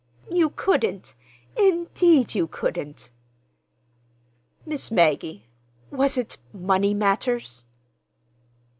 "You couldn't—indeed, you couldn't!" "Miss Maggie, was it—money matters?"